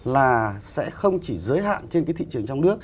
là sẽ không chỉ giới hạn trên cái thị trường